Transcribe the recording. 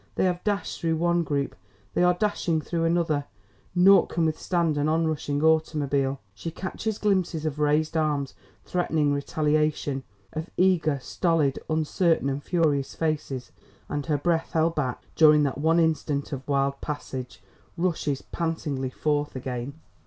They have dashed through one group; they are dashing through another; naught can withstand an on rushing automobile. She catches glimpses of raised arms threatening retaliation; of eager, stolid, uncertain and furious faces and her breath held back during that one instant of wild passage rushes pantingly forth again.